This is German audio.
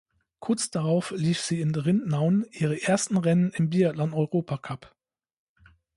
Kurz darauf lief sie in Ridnaun ihre ersten Rennen im Biathlon-Europacup.